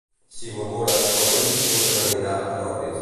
Si murmures, el teu discurs se n'anirà en orris.